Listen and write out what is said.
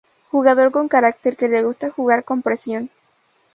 Jugador con Carácter que le gusta jugar con presión